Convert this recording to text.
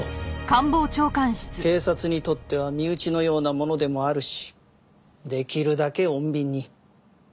警察にとっては身内のようなものでもあるしできるだけ穏便に。